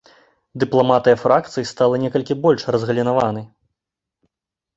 Дыпламатыя фракцый стала некалькі больш разгалінаванай.